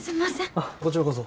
あっこちらこそ。